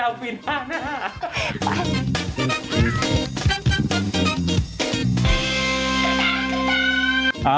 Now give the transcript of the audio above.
ให้มันเอาปีนหน้าหน้า